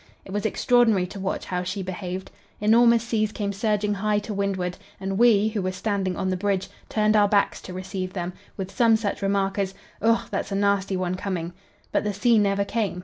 It was extraordinary to watch how she behaved. Enormous seas came surging high to windward, and we, who were standing on the bridge, turned our backs to receive them, with some such remark as: 'Ugh, that's a nasty one coming.' But the sea never came.